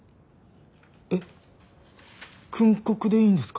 えっ訓告でいいんですか？